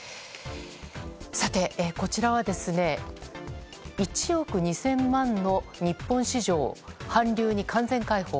さて、こちらは１億２０００万の日本市場韓流に完全開放。